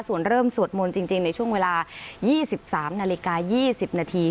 ส่วนเริ่มสวดมนต์จริงในช่วงเวลา๒๓นาฬิกา๒๐นาที